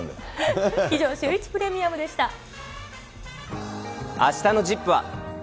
以上、シューイチプレミアムあしたのＺＩＰ！は。